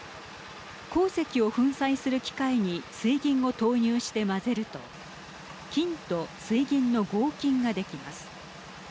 鉱石を粉砕する機械に水銀を投入して混ぜると金と水銀の合金ができます。